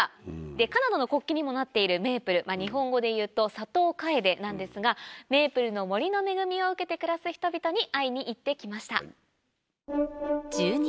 カナダの国旗にもなっているメープル日本語で言うとサトウカエデなんですがメープルの森の恵みを受けて暮らす人々に会いに行ってきました。